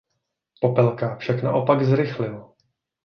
Popelka však naopak zrychlil.